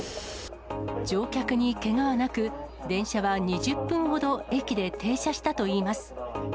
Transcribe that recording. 乗客にけがはなく、電車は２０分ほど駅で停車したといいます。